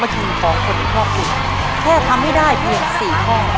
จริงของคนในครอบครัวแค่ทำให้ได้เพียง๔ข้อ